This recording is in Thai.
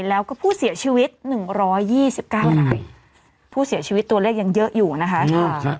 แล้วก็ผู้เสียชีวิต๑๒๙รายผู้เสียชีวิตตัวเลขยังเยอะอยู่นะคะ